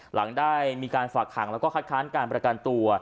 หลังได้มีการฝากขังแล้วก็คัดค้านการประกันตัว